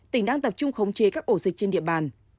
tỉnh đang tập trung khống chế các ổ dịch trên địa bàn